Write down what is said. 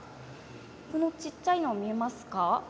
このちっちゃいの見えますか。